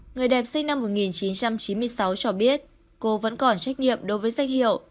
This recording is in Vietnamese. người đẹp sinh năm một nghìn chín trăm chín mươi sáu cho biết cô vẫn còn trách nhiệm đối với danh hiệu